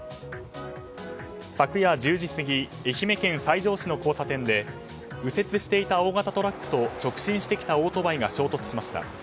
昨夜１０時過ぎ愛媛県西条市の交差点で右折していた大型トラックと直進してきたオートバイが衝突しました。